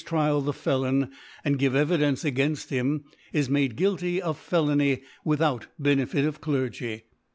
Trial ( 113 ) Trial the Felon, an^ give Evidence againft him, is made guilty of Felony without Be nefit of Clergy.